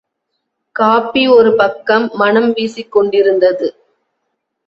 Copy ஒரு பக்கம் மணம் வீசிக் கொண்டிருந்தது.